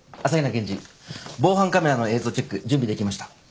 検事防犯カメラの映像チェック準備出来ました。